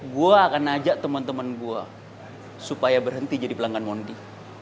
gue akan ajak temen temen gue supaya berhenti jadi pelanggan mondi